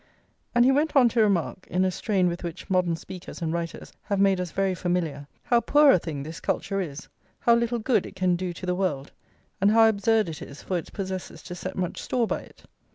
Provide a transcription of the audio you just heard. And he went on to remark, in a strain with which modern speakers and writers have made us very familiar, how poor a thing this culture is, how little good it can do to the world, and how absurd it is for its possessors to set much store by it.